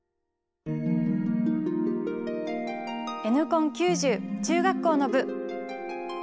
Ｎコン９０中学校の部。